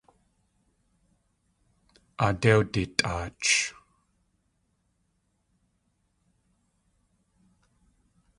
Aadé wditʼaach.